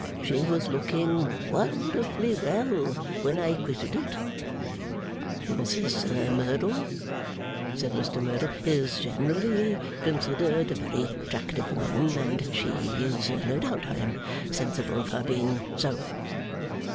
She was looking wonderfully well when I quitted it.' 'Mrs Merdle,' said Mr Merdle, 'is generally considered a very attractive woman. And she is, no doubt. I am sensible of her being so.